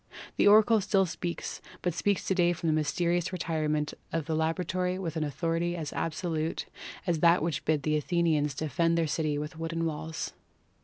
The oracle still speaks, but speaks to day from the mysterious retirement of the laboratory with an authority as absolute as that which bid the Athenians defend their city with wooden walls.